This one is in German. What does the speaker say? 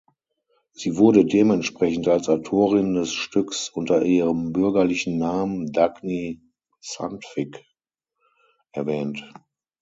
Sie wurde dementsprechend als Autorin des Stücks unter ihrem bürgerlichen Namen Dagny Sandvik erwähnt.